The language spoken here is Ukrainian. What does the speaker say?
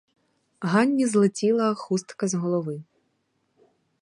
Ганні злетіла хустка з голови.